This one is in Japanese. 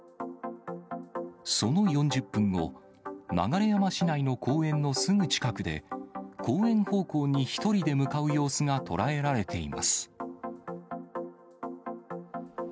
その４０分後、流山市内の公園のすぐ近くで、公園方向に１人で向かう様子が捉えられています。